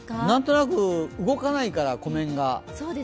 何となく動かないから、湖面が。